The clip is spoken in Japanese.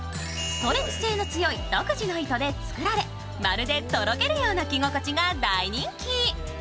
ストレッチ性の強い独自の糸で作られ、まるでとろけるような着心地が大人気。